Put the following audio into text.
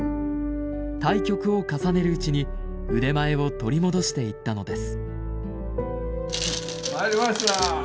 対局を重ねるうちに腕前を取り戻していったのです。